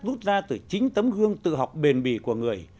rút ra từ chính tấm gương tự học bền bì của người